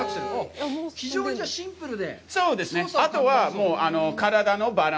非常にじゃあシンプルで。